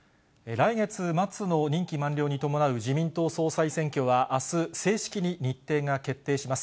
来月末の任期満了に伴う自民党総裁選挙はあす、正式に日程が決定します。